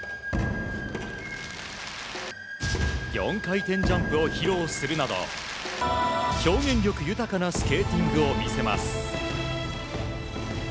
４回転ジャンプを披露するなど表現力豊かなスケーティングを見せます。